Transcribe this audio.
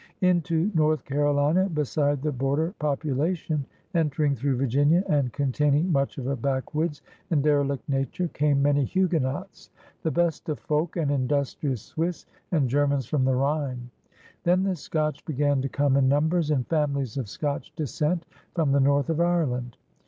Into North Carolina, beside the border popula tion entering through Virginia and containing much of a backwoods and derelict nature, came many Huguenots, the best of folk, and industrious Swiss, and Germans from the Rhine. Then the Scotch began to come in numbers, and families of Scotch descent from the north of Ireland.